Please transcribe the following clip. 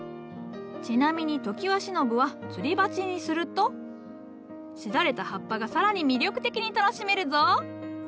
ちなみに常盤忍はつり鉢にするとしだれた葉っぱが更に魅力的に楽しめるぞ。